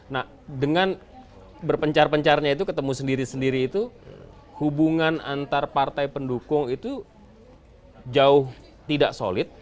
nah dengan berpencar pencarnya itu ketemu sendiri sendiri itu hubungan antar partai pendukung itu jauh tidak solid